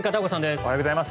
おはようございます。